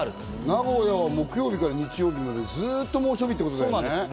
名古屋は木曜日から日曜日までずっと猛暑日ということだね。